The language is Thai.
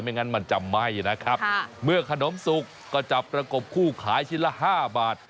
งั้นมันจะไหม้นะครับเมื่อขนมสุกก็จับประกบคู่ขายชิ้นละ๕บาท